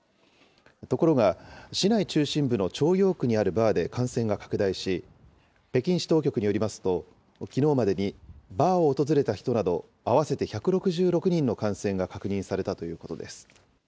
ところが、市内中心部の朝陽区にあるバーで感染が拡大し、北京市当局によりますと、きのうまでに、バーを訪れた人など合わせて１６６人の感染が確認されたということです。